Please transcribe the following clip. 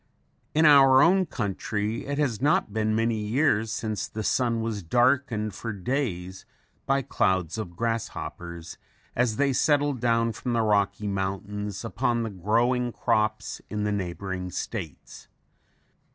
In our own country it has not been many years since the sun was darkened for days by clouds of grasshoppers as they settled down from the Rocky Mountains upon the growing crops in the neighboring states.